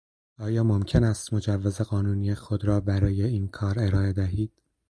آیا ممکن است مجوز قانونی خود را برای این کار ارائه دهید؟